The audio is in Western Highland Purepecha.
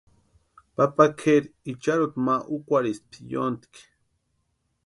Papa kʼeri icharhuta ma úkwarhispti yóntki.